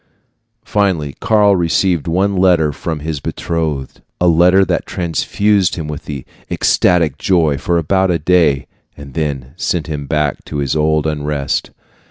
Finally Karl received one letter from his betrothed a letter that transfused him with ecstatic joy for about a day, and then sent him back to his old unrest.